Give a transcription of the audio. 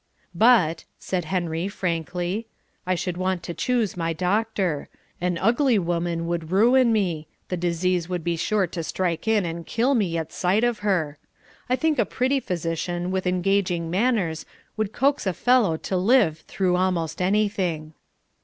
"But," said Harry frankly; "I should want to choose my doctor; an ugly woman would ruin me, the disease would be sure to strike in and kill me at sight of her. I think a pretty physician, with engaging manners, would coax a fellow to live through almost anything."